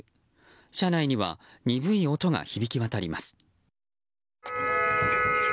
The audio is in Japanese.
車内には鈍い音が響き渡ります。